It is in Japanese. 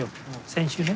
先週ね。